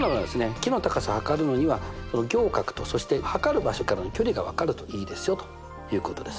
木の高さを測るのには仰角とそして測る場所からの距離が分かるといいですよということです。